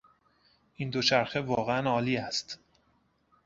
این دوچرخه واقعا عالی است.